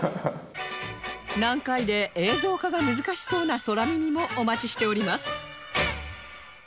難解で映像化が難しそうな空耳もお待ちしております